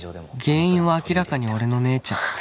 原因は明らかに俺の姉ちゃん